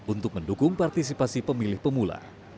untuk mendukung partisipasi pemilih pemula